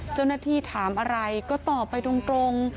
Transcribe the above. เจ้าหน้าที่ถามอะไรก็ตอบไปตรง